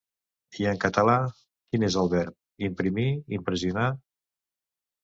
I en català, quin és el verb: imprimir, impressionar?